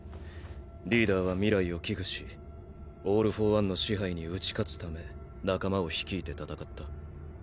リーダーは未来を危惧しオール・フォー・ワンの支配に打ち勝つため仲間を率いて戦った。